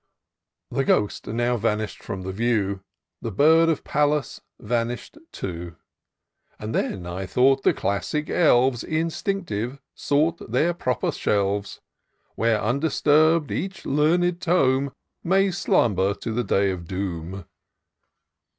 "The Ghost now vanished from the view; The bird of Pallas vanish'd too. And then I thought the Classic elves Instinctive sought their proper shelves, Where, undisturb'd, each learned tome May slumber to the day of doom.